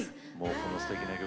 このすてきな曲